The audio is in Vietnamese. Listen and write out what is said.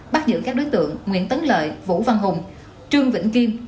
bắt giữ các đối tượng nguyễn tấn lợi vũ văn hùng trương vĩnh kim